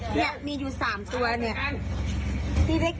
เนี่ยมีอยู่๓ตัวเนี่ย